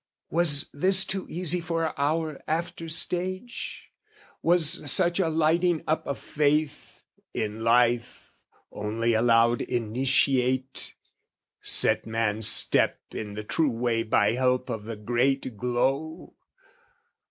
Was this too easy for our after stage? Was such a lighting up of faith, in life, Only allowed initiate, set man's step In the true way by help of the great glow?